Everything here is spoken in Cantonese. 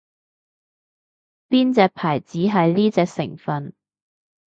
邊隻牌子係呢隻成份